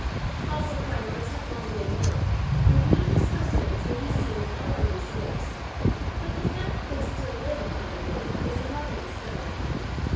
Fossil crinoids have long been known, and beautiful specimens may be seen in all our museums, but the fact that they still live upon the globe is a modern discovery.